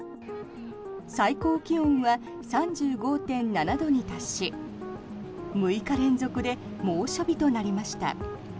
最高気温は３５．７度に達し６日連続で猛暑日となりました。